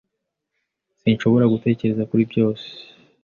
Sinshobora gutekereza kuri byose.